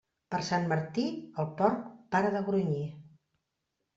Per Sant Martí, el porc para de grunyir.